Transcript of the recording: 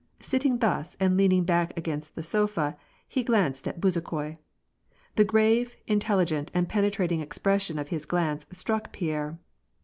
Sitting thus, and leaning back against the sofa, he glanced at Bezukhoi. The grave, intelligent, and penetrating expression of his glance struck Pierre.